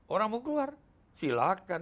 orang mau keluar silakan